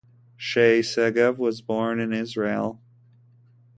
Shay Segev was born in Israel.